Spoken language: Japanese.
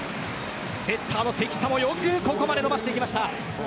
セッターの関田もよくここまで伸ばしてきました。